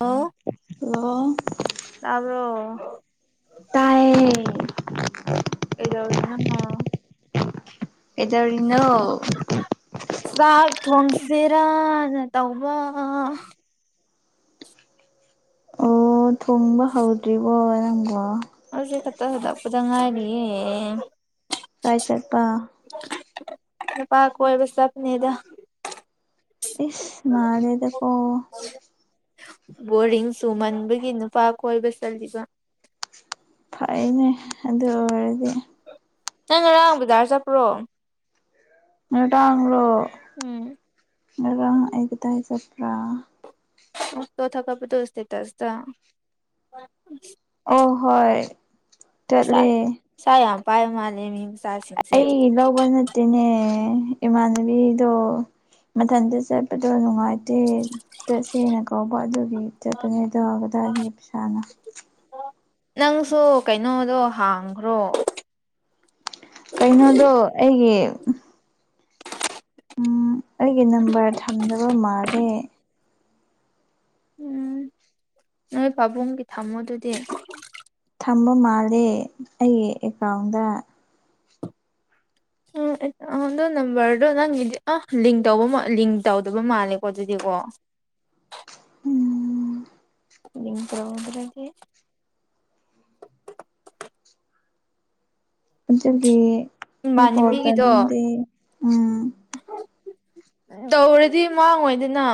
ꯑꯣ ꯑꯣ ꯌꯥꯕ꯭ꯔꯣ ꯇꯥꯏꯌꯦ ꯀꯗꯎꯅ ꯑꯦꯗꯧꯔꯤꯅꯣ ꯆꯥꯛ ꯊꯣꯡꯁꯤꯔꯅ ꯇꯧꯕ ꯊꯨꯡꯕ ꯍꯧꯗ꯭ꯔꯤꯕꯣ ꯅꯪꯕꯣ꯫ ꯍꯧꯖꯤꯛ ꯈꯛꯇ ꯍꯟꯂꯛꯄꯗ ꯉꯥꯏꯔꯤꯌꯦ꯫ ꯀꯥꯏ ꯆꯠꯄ꯫ ꯅꯨꯄꯥ ꯀꯣꯏꯕ ꯆꯄꯅꯦꯗ꯫ ꯏꯁ ꯃꯥꯜꯂꯦꯗꯀꯣ꯫ ꯕꯣꯔꯤꯡ ꯆꯨꯃꯟꯕꯒꯤ ꯅꯨꯄꯥ ꯀꯣꯏꯕ ꯆꯜꯂꯤꯠꯕ ꯐꯩꯅꯦ ꯑꯗꯨ ꯑꯣꯏꯔꯗꯤ ꯅꯪ ꯉꯔꯥꯡ ꯕꯖꯥꯔ ꯆꯠꯄ꯭ꯔꯣ ꯅꯨꯡꯗꯥꯡꯂꯣ꫰꫰ ꯎꯝ꯫ ꯉꯔꯥꯡ ꯑꯒꯗ ꯆꯠꯄ꯭ꯔꯥ ꯆꯣꯊ ꯀꯥꯠꯄꯗꯨ ꯇꯁꯇꯦꯇꯁꯇ꯫ ꯑꯣ ꯍꯣꯏ ꯆꯠꯂꯦ꯫ ꯁꯥꯏ ꯌꯥꯝ ꯄꯥꯏ ꯃꯥꯂꯦ ꯃꯤ ꯃꯆꯥꯁꯤꯡꯁꯦ ꯑꯩ ꯂꯧꯕ ꯅꯠꯇꯦꯅꯦ ꯏꯃꯥꯟꯅꯕꯤꯗꯣ꯫ ꯃꯊꯟꯇ ꯆꯠꯄꯗꯣ ꯅꯨꯡꯉꯥꯏꯇꯦ ꯆꯠꯁꯦꯅ ꯇꯧꯕ ꯑꯗꯨꯒꯤ ꯆꯠꯇꯄꯅꯦꯗꯣ ꯀꯗꯥꯏꯗꯒꯤ ꯄꯩꯁꯥꯅ꯫ ꯅꯪꯁꯨ ꯀꯩꯅꯣꯗꯣ ꯍꯥꯡꯈ꯭ꯔꯣ꯫ ꯀꯩꯅꯣꯗꯣ ꯑꯩꯒꯤ ꯎ ꯑꯩꯒꯤ ꯅꯝꯕꯔ ꯊꯝꯗꯕ ꯃꯥꯜꯂꯦ ꯎꯝ ꯅꯣꯏ ꯄꯥꯕꯨꯡꯒꯤ ꯊꯝꯃꯣ ꯑꯗꯨꯗꯤ꫰꫰ ꯊꯝꯕ ꯃꯥꯜꯂꯦ ꯑꯩꯒꯤ ꯑꯦꯀꯥꯎꯟꯗ ꯎꯝ ꯑꯣꯟꯗꯣ ꯅꯝꯕꯔꯗꯣ ꯅꯪꯒꯤꯗꯤ ꯑꯧꯕ ꯂꯤꯡ ꯇꯧꯗꯕ ꯃꯥꯜꯂꯦꯀꯣ ꯑꯗꯨꯗꯤꯀꯣ ꯎꯝ ꯅꯤꯡ ꯇ꯭ꯔꯗ꯭ꯔꯗꯤ ꯑꯗꯨꯒꯤ ꯑꯩ ꯏꯃꯥꯟꯅꯕꯤꯒꯤꯗꯣ ꯂꯣꯜꯇꯧꯅꯤꯡꯗꯦ ꯎꯝ꯫ ꯇꯧꯔꯗꯤ ꯃꯥꯡꯉꯣꯏꯗꯅ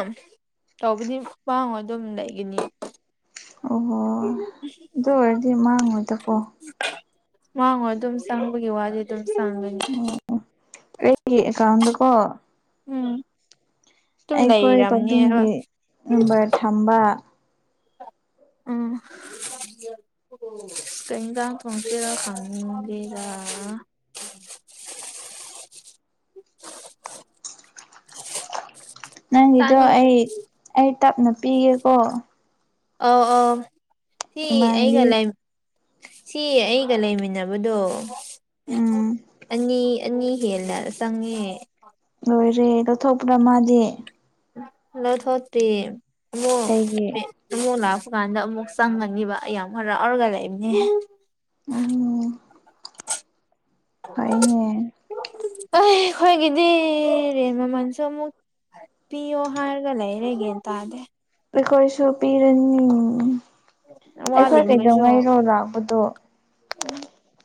ꯇꯧꯕꯗꯤ ꯃꯥꯡꯉꯣꯏꯗꯝ ꯂꯩꯒꯅꯤ ꯑꯣꯍꯣ ꯑꯗꯨ ꯑꯣꯏꯔꯗꯤ ꯃꯥꯡꯉꯣꯏꯗꯀꯣ꯫ ꯋꯥꯉꯣ ꯑꯗꯨꯝ ꯆꯪꯕꯒꯤ ꯋꯥꯗꯤ ꯑꯗꯨꯝ ꯆꯪꯒꯅꯤ ꯑꯣ ꯑꯩ ꯀꯗꯨꯀꯣ ꯎꯝ ꯑꯗꯨꯝ ꯑꯩꯈꯣꯏ ꯂꯩꯔꯝꯅꯦꯕ ꯄꯕꯖꯨꯡꯒꯤ ꯅꯝꯕꯔ ꯊꯝꯕ ꯎꯝ ꯀꯩ ꯏꯁꯥꯡ ꯊꯣꯡꯗꯣꯏꯔ ꯈꯪꯗꯦꯗ꯫ [unintelligible] [unintelligible] ꯅꯪꯒꯤꯗꯣ ꯆꯥꯅꯤꯡ ꯑꯩ ꯑꯩ ꯇꯞꯅ ꯄꯤꯒꯦꯀꯣ ꯑꯩ ꯑꯧꯁꯤ ꯏꯃꯥꯟꯅꯕꯤ ꯑꯩꯒꯥ ꯂꯩꯝ꯫ ꯁꯤ ꯑꯩꯒ ꯂꯩꯃꯤꯟꯅꯕꯗꯣ ꯎꯝ ꯑꯅꯤ ꯅ ꯍꯦꯂꯔ ꯆꯪꯉꯦ ꯂꯣꯏꯔꯦ ꯂꯧꯊꯣꯛꯄꯗ ꯃꯥꯗꯤ꯫ ꯂꯊꯣꯛꯇꯦ ꯑꯃꯨꯛ꯫ ꯀꯩꯒꯤ ꯑꯃꯉꯛ ꯂꯥꯛꯄ ꯀꯥꯟꯗ ꯑꯃꯨꯛ ꯆꯪꯒꯅꯤꯕ ꯑꯩ ꯌꯥꯝ ꯈꯔꯥꯎꯔꯒ ꯂꯩꯏꯕꯅꯦ ꯎꯝ ꯑꯩꯏꯅꯦ ꯑꯩ ꯈꯣꯏꯒꯗꯤ ꯇꯦꯟ ꯃꯥꯃꯟꯁꯨ ꯑꯃꯨꯛ꯫ ꯄꯤ ꯑꯣ ꯍꯥꯏꯔꯒ ꯂꯩꯔꯦꯒꯦ ꯇꯥꯗꯦ ꯑꯩꯈꯣꯏꯁꯨ ꯄꯤꯔꯅꯤ ꯑꯩꯈꯣꯏ ꯋꯥꯠꯂꯤꯉꯩꯁꯨ ꯀꯩꯗꯧꯉꯩꯔꯣ ꯂꯥꯛꯄꯗꯣ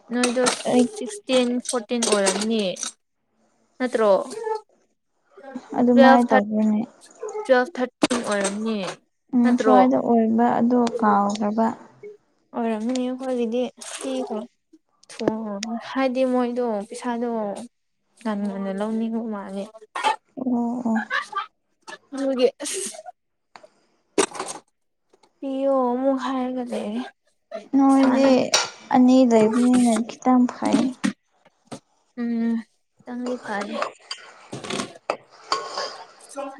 ꯅꯣꯏꯗ ꯑꯩ ꯇꯦꯟ ꯐꯣꯔꯇꯤꯟ ꯑꯣꯏꯔꯝꯅꯤ ꯅꯠꯇ꯭ꯔꯣ꯫ ꯇꯨꯋꯦꯜ ꯑꯗꯨꯃꯥꯏꯅ ꯊꯥꯔ ꯇꯧꯕꯅꯦ ꯇꯨꯋꯦꯜ ꯊꯥꯔꯇꯤ ꯑꯣꯏꯔꯝꯅꯤ꯫ ꯎꯝ ꯅꯠꯇ꯭ꯔꯣ ꯁ꯭ꯋꯥꯏꯗ ꯑꯣꯏꯕ ꯑꯗꯣ ꯀꯥꯎꯈ꯭ꯔꯕ꯫ ꯑꯣꯏꯔꯝꯅꯤ ꯀꯗꯤ ꯊ ꯀꯣ ꯊ ꯍꯥꯏꯗꯤ ꯃꯣꯏꯗꯣ ꯄꯩꯁꯥꯗꯣ ꯉꯟꯅ ꯉꯟꯅ ꯂꯧꯅꯤꯡꯉꯨ ꯃꯥꯜꯂꯦ ꯑꯣ ꯑꯣ꯫ ꯑꯗꯨꯒꯤ ꯑꯁ꯫ ꯄꯤ ꯑꯣ ꯃꯨꯛ ꯍꯥꯏꯔꯒ ꯂꯩꯌꯦ꯫ ꯃꯣꯏꯗꯤ ꯑꯅꯤ ꯂꯩꯕꯅꯤꯅ ꯈꯤꯇꯪ ꯐꯩ ꯎꯝ ꯈꯤꯇꯪꯗꯤ ꯐꯔꯦ꯫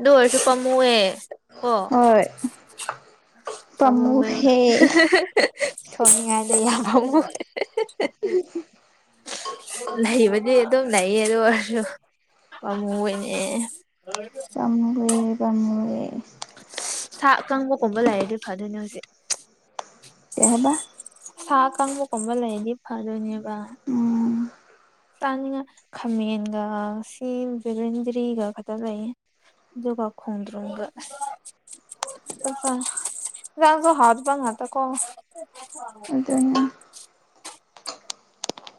ꯗꯔꯁꯨ ꯀꯃꯨꯋꯦ ꯑꯣ ꯍꯣꯏ ꯄꯥꯝꯃꯨꯍꯦ [unintelligible] ꯊꯣꯡꯅꯤꯡꯉꯥꯏꯗ ꯌꯥꯝ ꯐꯥꯎꯉꯨ ꯂꯩꯕꯗꯤ ꯑꯗꯨꯝ ꯂꯩꯌꯦ ꯑꯗꯨ ꯑꯣꯏꯔꯁꯨ ꯄꯥꯃꯨꯕꯩꯅꯦ꯫ ꯑꯩꯁꯨ ꯄꯥꯝꯃꯨꯏꯌꯦ꯫ ꯁꯥ ꯑꯀꯝꯕꯒꯨꯝꯕ ꯂꯩꯔꯗꯤ ꯐꯗꯣꯏꯅꯦ ꯍꯧꯖꯤꯛ꯫ ꯀꯩ ꯍꯥꯏꯕ ꯁꯥ ꯀꯥꯝꯕꯒꯨꯝꯕ ꯂꯩꯔꯗꯤ ꯐꯗꯣꯏꯅꯦꯕ꯫ ꯎꯝ ꯇꯥꯅꯤꯡꯉꯠ ꯈꯥꯃꯦꯟꯒ ꯁꯤ ꯚꯦꯟꯗ꯭ꯔꯤꯒ ꯈꯛꯇ ꯂꯩꯌꯦ ꯑꯗꯨꯒ ꯈꯣꯡꯗ꯭ꯔꯨꯝꯒ꯫ [unintelligible] ꯅꯒꯣ ꯏꯁꯥꯡꯗꯣ ꯍꯧꯇꯥꯕ ꯉꯥꯛꯇꯥꯀꯣ꯫ ꯑꯗꯨꯅ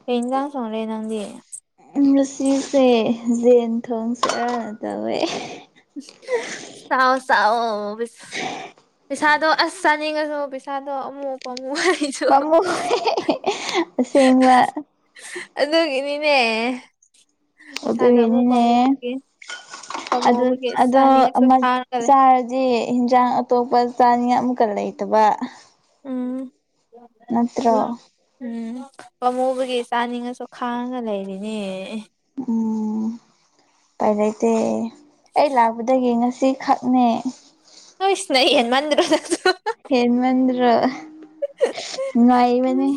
ꯌꯦꯩꯅꯗ ꯁꯣ꯭ꯔꯦ ꯅꯪꯗꯤꯦ ꯃꯨꯁꯤꯁꯦ ꯌꯦꯦꯟ ꯊꯣꯡꯁꯦ ꯇꯧꯋꯦ [unintelligible] ꯄꯩꯁꯥꯗꯣ ꯑꯁ ꯆꯥꯅꯤꯡꯉꯁꯨ ꯄꯩꯁꯥꯗꯣ ꯑꯃꯨꯛ ꯄꯥꯝꯃꯨ [unintelligible] [unintelligible] ꯑꯁꯦꯡꯕ ꯑꯗꯨꯒꯤꯅꯤꯅꯦ ꯄꯩꯁꯥꯗꯣ ꯑꯃꯨꯛ ꯑꯗꯨꯒꯤꯅꯤꯅꯦ ꯄꯥꯝꯃꯨꯕꯒꯤ ꯄꯥꯝꯃꯨꯕꯒꯤ ꯑꯗꯣ ꯆꯥꯅꯤꯡꯉꯁꯨ ꯈꯥꯡꯉꯒ ꯂꯩ [unintelligible] ꯗꯤ ꯍꯤꯟꯖꯥꯡ ꯑꯇꯣꯞꯄ ꯆꯥꯅꯤꯡꯉ ꯑꯃꯨꯛꯀ ꯂꯩꯇꯕ ꯎꯝ ꯅꯠꯇ꯭ꯔꯣ ꯎꯝ ꯄꯥꯃꯨꯕꯒꯤ ꯆꯥꯅꯤꯡꯉꯁꯨ ꯈꯥꯡꯉꯒ ꯂꯩꯔꯤꯅꯦ ꯎꯝ ꯎꯄꯥꯏ ꯂꯩꯇꯦ ꯑꯩ ꯂꯥꯛꯄꯗꯒꯤ ꯉꯁꯤ ꯈꯛꯅꯦ ꯍꯣꯏꯁ ꯅꯣꯏ ꯍꯦꯟꯃꯟꯗꯔꯣ [unintelligible] ꯍꯦꯟꯃꯟꯗ꯭ꯔꯣ ꯅꯨꯉꯥꯏꯕꯅꯤ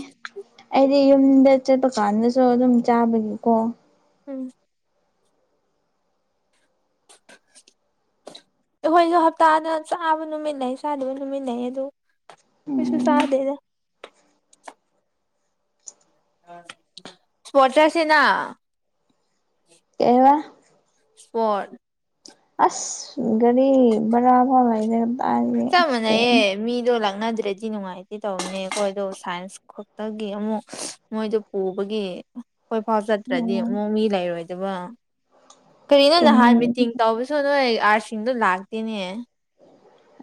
ꯑꯩꯗꯤ ꯌꯨꯝꯗ ꯆꯠꯄ ꯀꯥꯟꯗꯁꯨ ꯑꯗꯨꯝ ꯆꯥꯕꯒꯤꯀꯣ ꯎꯝ ꯑꯩꯈꯣꯏꯁꯨ ꯍꯞꯇꯥꯗ ꯆꯥꯕ ꯅꯨꯃꯤꯠ ꯂꯩ ꯆꯥꯗꯕ ꯅꯨꯃꯤꯠꯟꯂꯩꯌꯦ ꯑꯗꯨ ꯀꯩꯁꯨ ꯎꯝ ꯆꯥꯗꯦꯗ [unintelligible] ꯀꯩ ꯍꯥꯏꯕ ꯏꯁꯄꯣꯔꯠ ꯑꯁ ꯒꯥꯔꯤ ꯕꯥꯔꯕꯥꯎ ꯂꯩꯇꯦꯗ ꯆꯞ ꯃꯥꯟꯅꯩꯌꯦ ꯃꯤꯗꯣ ꯂꯥꯛꯅꯗ꯭ꯔꯗꯤ ꯅꯨꯡꯉꯥꯏꯇꯦ ꯇꯧꯕꯅꯦ ꯑꯩꯈꯣꯏꯗꯣ ꯁꯥꯏꯟꯁ ꯈꯛꯇꯒꯤ ꯑꯃꯨꯛ ꯃꯣꯏꯗꯣ ꯄꯨꯕꯒꯤ ꯈꯣꯏꯐꯥꯎ ꯆꯠꯇ꯭ꯔꯗꯤ ꯎꯝ ꯑꯃꯨꯛ ꯃꯤ ꯂꯩꯔꯣꯏꯗꯕ ꯀꯔꯤꯅꯣ ꯆꯨꯝꯃꯦ ꯅꯍꯥꯟ ꯃꯤꯇꯤꯡ ꯇꯧꯕꯁꯨ ꯅꯣꯏ ꯑꯥꯔꯁꯤꯡꯗꯣ ꯂꯥꯛꯇꯦꯅꯦ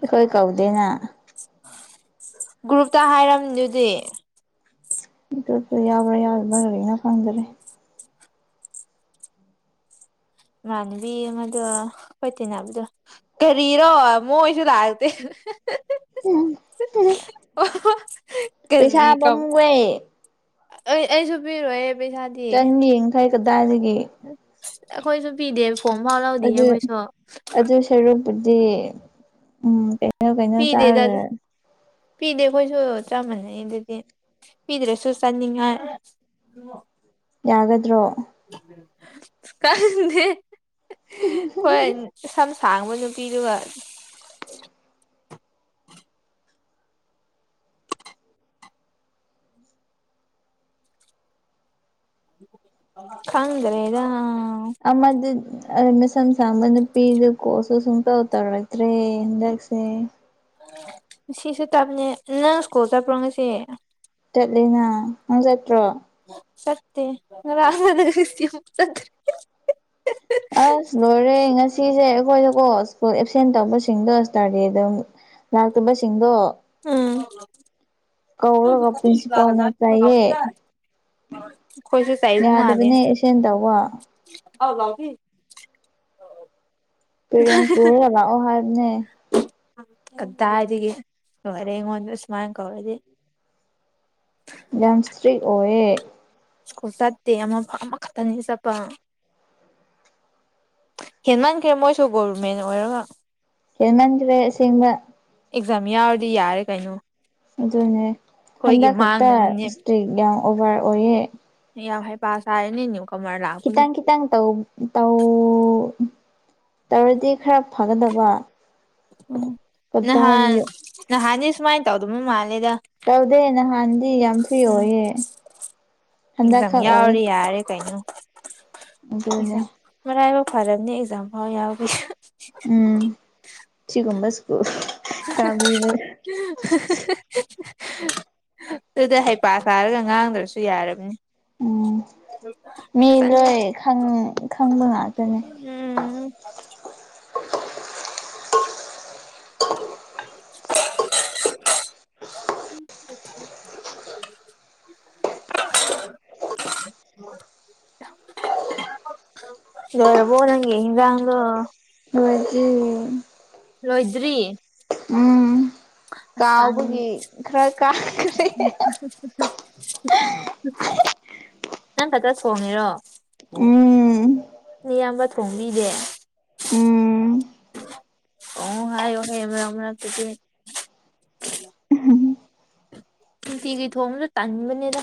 ꯑꯩꯈꯣꯏ ꯀꯧꯗꯦꯅ ꯒ꯭ꯔꯨꯞꯇ ꯍꯥꯏꯔꯝꯗꯨꯗꯤ [unintelligible] ꯌꯥꯎꯕ꯭ꯔꯥ ꯌꯥꯎꯗꯕ꯭ꯔꯥ ꯀꯔꯤꯅꯣ ꯈꯪꯗꯔꯦ ꯅꯃꯥꯟꯅꯕꯤ ꯑꯃꯗꯨ ꯈꯣꯏ ꯇꯤꯟꯅꯕꯗꯣ ꯀꯔꯤꯔꯣ ꯃꯣꯏꯁꯨ ꯂꯥꯛꯇꯦ [unintelligible] [unintelligible] [unintelligible] ꯄꯩꯁꯥ ꯀꯔꯤ ꯀꯞ ꯄꯥꯝꯃꯨꯋꯦ ꯑꯩ ꯑꯩꯁꯨ ꯄꯤꯔꯣꯍꯦ ꯄꯩꯁꯥꯗꯤ ꯆꯪ ꯌꯥꯡꯈꯩ ꯀꯗꯥꯏꯗꯒꯤ ꯑꯩꯈꯣꯏꯁꯨ ꯄꯤꯗꯦ ꯐꯣꯝ ꯐꯥꯎ ꯂꯧꯗꯦ ꯑꯩꯈꯣꯏꯁꯨ ꯑꯗꯨꯒꯤ ꯎꯝ ꯀꯩꯅꯣ ꯀꯩꯅꯣ ꯄꯤꯗꯦꯗ ꯑꯗꯨ ꯆꯥꯔꯒ ꯄꯤꯗꯦ ꯑꯩꯈꯣꯏꯁꯨ ꯆꯞ ꯃꯥꯟꯅꯩ ꯑꯗꯨꯗꯤ ꯄꯤꯗ꯭ꯔꯁꯨ ꯆꯥꯅꯤꯡꯉꯥꯏ ꯌꯥꯒꯗ꯭ꯔꯣ ꯈꯪꯗꯦ ꯈꯣꯏ ꯁꯝ ꯁꯥꯡꯕ ꯅꯨꯄꯤꯗꯨꯒ ꯈꯪꯗ꯭ꯔꯦꯗ ꯑꯃꯗꯤ ꯃꯁꯝ ꯁꯥꯥꯝꯕ ꯅꯨꯄꯤꯗꯨ ꯀꯣꯁꯨ ꯁꯨꯡꯇꯧ ꯇꯧꯔꯛꯇ꯭ꯔꯦ ꯍꯟꯗꯛꯁꯦ ꯉꯁꯤꯁꯦ ꯇꯞꯅꯦ ꯅꯪ ꯁ꯭ꯀꯨꯜ ꯆꯠꯄ꯭ꯔꯣ ꯉꯁꯤ ꯆꯠꯂꯤꯅ ꯅꯪ ꯆꯠꯇ꯭ꯔꯣ ꯁꯠꯇꯦ [unintelligible] ꯑꯁ ꯂꯣꯏꯔꯦ ꯉ ꯁꯤꯁꯦ ꯑꯩꯈꯣꯏꯗꯀꯣ ꯁ꯭ꯀꯨꯜ ꯑꯦꯞꯁꯦꯟ ꯇꯧꯕꯁꯤꯡꯗꯣ ꯁꯇꯥꯔꯗꯦꯗ ꯑꯗꯨꯝ ꯂꯥꯛꯇꯕꯁꯤꯡꯗꯣ ꯑꯝ ꯀꯧꯔꯒ ꯄ꯭ꯔꯤꯟꯁꯤꯄꯥꯜꯅ ꯆꯩꯌꯦ ꯑꯩꯈꯣꯏꯁꯨ ꯆꯩꯕ ꯃꯥꯜꯂꯦ ꯌꯥꯗꯕꯅꯦ ꯑꯦꯞꯁꯦꯟ ꯇꯧꯕ [unintelligible] ꯄꯦꯔꯦꯟꯁ ꯄꯨꯔꯒ ꯂꯥꯛꯑꯣ ꯍꯥꯏꯕꯅꯦ ꯀꯗꯥꯏꯗꯒꯤ ꯂꯣꯏꯔꯦ ꯑꯩꯉꯣꯟꯗ ꯁꯨꯃꯥꯏ ꯀꯧꯔꯗꯤ ꯌꯥꯝ ꯏꯁꯇ꯭ꯔꯤ ꯑꯣꯏꯌꯦ ꯏꯁ꯭ꯀꯨꯜ ꯆꯠꯇꯦ ꯑꯃ ꯑꯃꯈꯛꯇꯅꯤ ꯆꯠꯄ ꯍꯦꯟꯃꯟꯈ꯭ꯔꯦ ꯃꯣꯏꯁꯨ ꯒꯣꯕꯔꯃꯦꯟ ꯑꯣꯏꯔꯒ ꯍꯦꯟꯃꯟꯈ꯭ꯔꯦ ꯑꯥꯁꯦꯡꯕ ꯑꯦꯛꯖꯥꯝ ꯌꯥꯎꯔꯗꯤ ꯌꯥꯔꯦ ꯀꯩꯅꯣ ꯑꯗꯨꯅꯦ ꯑꯩꯈꯣꯏꯒꯤ ꯍꯟꯗꯛ ꯈꯛꯇ ꯃꯥꯡꯅꯅꯤꯅꯦ ꯏꯁꯇ꯭ꯔꯤꯛ ꯌꯥꯝ ꯑꯣꯚꯔ ꯑꯣꯏꯌꯦ [unintelligible] ꯂꯥꯛꯄꯒꯤ ꯈꯤꯇꯪ ꯈꯤꯇꯪ ꯇꯧ ꯇꯧ ꯇꯧꯔꯗꯤ ꯈꯔ ꯐꯒꯗꯕ ꯎ ꯅꯍꯥꯟ ꯀꯗꯥꯏꯗꯒꯤ ꯅꯍꯥꯟꯗꯤ ꯁꯨꯃꯥꯏꯅ ꯇꯧꯗꯕ ꯃꯥꯜꯂꯦꯗ ꯇꯧꯗꯦ ꯅꯍꯥꯟꯗꯤ ꯌꯥꯝ ꯐꯔꯏ ꯎꯝ ꯑꯣꯏꯌꯦ ꯑꯦꯛꯖꯥꯝ ꯍꯟꯗꯛꯈꯛ ꯑꯣꯏꯌꯦ ꯌꯥꯎꯔꯗꯤ ꯌꯥꯔꯦ ꯀꯩꯅꯣ ꯑꯗꯨꯅꯦ ꯑꯦꯛꯖꯥꯝ ꯃꯔꯥꯏꯕꯛ ꯐꯔꯕꯅꯤ ꯑꯦꯛꯖꯥꯝ ꯐꯥꯎ ꯌꯥꯎꯕꯤ ꯎꯝ ꯁꯤꯒꯨꯝꯕ ꯏꯁꯀꯨꯜ ꯇꯥꯕꯤꯕ [unintelligible] ꯑꯗꯨꯗꯤ ꯍꯩꯄꯥ ꯁꯥꯔꯒ ꯉꯥꯡꯗ꯭ꯔꯁꯨ ꯌꯥꯔꯕꯅꯤ ꯎꯝ ꯃꯤ ꯂꯣꯏ ꯈꯪꯕ ꯉꯥꯛꯇꯅꯤ ꯎꯝ [inaudible] [inaudible] [inaudible] ꯂꯣꯏꯔꯕꯣ ꯅꯪꯒꯣ ꯍꯤꯟꯖꯥꯡꯗꯣ ꯂꯣꯏꯗ꯭ꯔꯤ ꯂꯣꯏꯗ꯭ꯔꯤ ꯎꯝ ꯀꯥꯎꯕꯒꯤ ꯈꯔ ꯀꯥꯈ꯭ꯔꯦ [unintelligible] ꯅꯪ ꯈꯛꯇ ꯊꯣꯡꯉꯤꯔꯣ ꯎꯝ ꯃꯤꯌꯥꯝꯕ ꯊꯣꯡꯕꯤꯗꯦ ꯎꯝ ꯀꯣꯡ ꯍꯥꯏꯌꯣꯍꯦ ꯃꯔꯛ ꯃꯔꯛꯇꯗꯤ ꯅꯨꯡꯇꯤꯒꯤ ꯊꯣꯡꯕꯁꯨ ꯇꯟꯕꯅꯤꯗ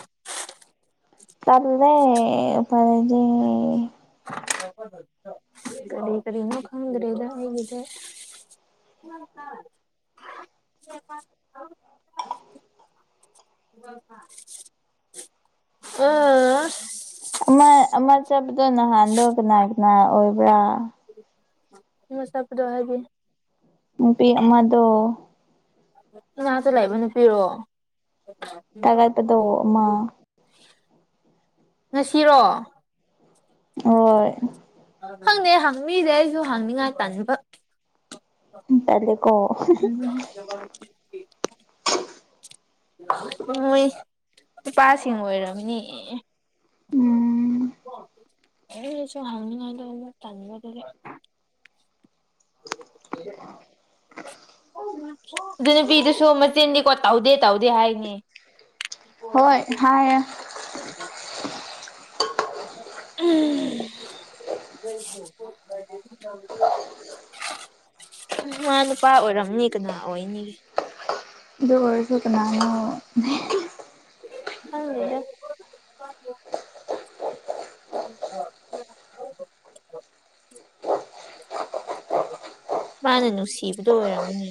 [unintelligible] ꯀꯔꯤ ꯀꯔꯤꯅꯣ ꯈꯪꯗ꯭ꯔꯦꯗ ꯑꯩꯒꯤꯖꯦ [inaudible] ꯑꯥ ꯑꯃ ꯑꯃ ꯆꯠꯄꯗꯣ ꯅꯍꯥꯟꯗꯣ ꯀꯅꯥ ꯀꯅꯥ ꯑꯣꯏꯕ꯭ꯔꯥ ꯑꯃ ꯅꯠꯄꯗꯣ ꯍꯥꯏꯗꯤ ꯅꯨꯄꯤ ꯑꯃꯗꯣ ꯀꯅꯥꯗ ꯂꯩꯕ ꯅꯨꯄꯤꯔꯣ ꯊꯥꯒꯠꯄꯗꯣ ꯑꯃ ꯉꯁꯤꯔꯣ ꯍꯣꯏ [unintelligible] [unintelligible] [unintelligible] ꯃꯣꯏ ꯅꯨꯄꯥꯁꯤꯡ ꯑꯣꯏꯔꯝꯅꯤ ꯎꯝ [unintelligible] [inaudible] ꯑꯗꯨ ꯅꯨꯄꯤꯗꯨꯁꯨ ꯃꯆꯦꯟꯗꯤꯀꯣ ꯇꯧꯗꯦ ꯇꯧꯗꯦ ꯍꯥꯏꯅꯤ ꯍꯣꯏ ꯍꯥꯏ ꯍ ꯎꯝ ꯃꯥ ꯅꯨꯄꯥ ꯑꯣꯏꯔꯝꯅꯤ ꯀꯅꯥ ꯑꯣꯏꯅꯤꯒꯦ ꯗꯔꯁꯨꯅ ꯍꯗ ꯎ ꯍ ꯃꯥꯅ ꯅꯨꯡꯁꯤꯕꯗꯣ ꯑꯣꯏꯔꯝꯃꯅꯤ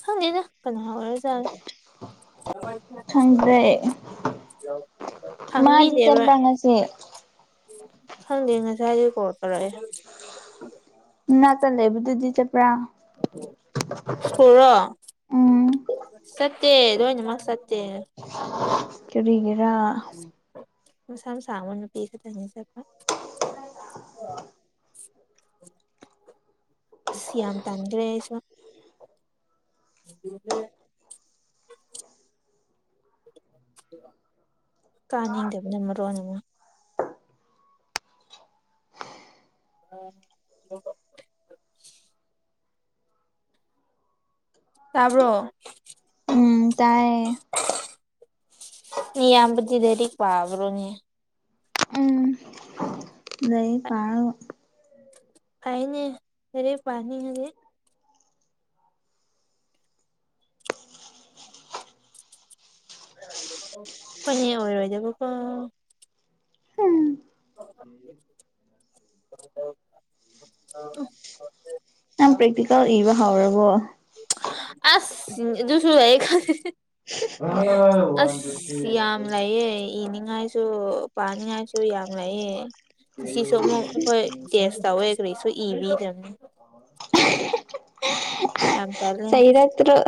ꯐꯅ ꯀꯅꯥꯍꯕꯔ ꯆ ꯈꯪꯗ꯭ꯔꯦ ꯃꯥꯗꯤ ꯆꯦꯟ ꯍꯪꯕꯤꯗꯦꯕ ꯄꯉꯁꯦ ꯈꯪꯗꯦ ꯉꯁꯥꯏꯁ ꯀꯣꯜ ꯇꯧꯔꯛꯑꯦ ꯅ ꯇ ꯂꯩꯕꯨꯗꯨꯗꯤ ꯆ ꯄꯨ꯭ꯔꯥ ꯄꯨꯔ ꯎꯝ ꯁꯠꯇꯦ ꯂꯅ ꯃꯥ ꯁꯠꯇꯦ ꯀꯔꯤꯒꯤꯔꯥ ꯃ ꯁ ꯑꯃ ꯁꯃꯟ ꯄꯤꯤꯁꯗꯁ ꯑꯁ ꯌꯥꯝ ꯇꯟꯈ꯭ꯔꯦ ꯑꯩꯁꯨ [unintelligible] ꯀꯥꯅꯤꯡꯗꯕꯅ ꯃꯔꯣꯟ ꯑꯃ ꯎ ꯇꯥꯕ꯭ꯔꯣ ꯎꯝ ꯇꯥꯏꯌꯦ ꯅ ꯌꯥꯝꯕꯤ ꯗꯦꯔꯤꯛ ꯄꯕꯔꯣꯅꯤ ꯎꯝ ꯂꯩꯩ ꯄꯥꯔ ꯍꯥꯏꯅꯦ ꯑꯔ ꯄꯅꯤ ꯍꯧꯦ ꯐ ꯑꯣꯏꯔꯣꯏꯗꯕꯣ ꯀꯣ ꯎꯝ [unintelligible] ꯅ ꯄ꯭ꯔꯦꯛꯇꯤꯀꯦꯜ ꯏꯕ ꯍꯧꯥꯎꯔꯕꯣ ꯑꯁ ꯨꯁꯔꯣ ꯈ ꯑꯁ ꯌꯥꯝ ꯂꯩꯌꯦꯦ ꯏꯅꯤꯡꯉꯥꯏꯁꯨ ꯁꯨ ꯄꯥꯅꯤꯡꯉꯥꯏꯁꯨ ꯌꯥꯝ ꯂꯩꯌꯦ ꯁꯤꯁꯨ ꯑꯃꯨꯛ ꯑꯩꯈꯣꯏ ꯦꯟꯁꯇꯋꯈꯔꯤꯁꯨ ꯏꯕꯤꯗꯕꯅꯤ [unintelligible] ꯌꯥꯝ ꯇ ꯂꯩꯦ ꯇ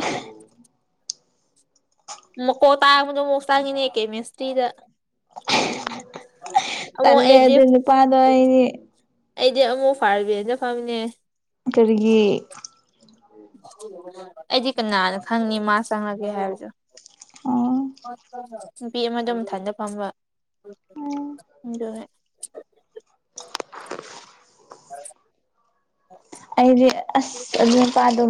ꯀꯣ ꯇ ꯃꯁꯇꯒꯤꯅꯦ ꯀꯦꯃꯤꯁꯇ꯭ꯔꯤꯗ ꯇꯜꯂꯦ ꯑꯩꯗꯤ ꯑꯗꯨ ꯅꯨꯄꯥꯗꯣ ꯑꯩꯗꯤ ꯑꯩꯗꯤ ꯑꯃꯨꯛ ꯐꯥꯔꯕꯅ ꯐꯝꯃꯤꯅꯦ ꯀꯔꯤꯒꯤ ꯑꯩꯗꯤ ꯀꯅꯥꯅ ꯈꯪꯅꯤ ꯃꯥ ꯆꯪꯉꯒꯦ ꯍꯥꯏꯕꯗ ꯑꯣ ꯅꯨꯄꯤ ꯑꯃ ꯑꯗꯨꯝ ꯊꯥꯖ ꯐꯝꯕ ꯖ ꯍꯦ [unintelligible] ꯑꯩꯗꯤ ꯑꯁ ꯑꯗꯨ ꯅꯨꯄꯥꯗꯣ